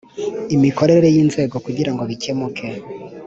imikorere y inzego kugira ngo bikemuke